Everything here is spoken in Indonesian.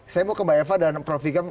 saya mau ke mbak eva dan prof vikam